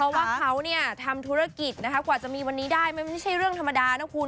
เพราะว่าเขาเนี่ยทำธุรกิจนะคะกว่าจะมีวันนี้ได้มันไม่ใช่เรื่องธรรมดานะคุณ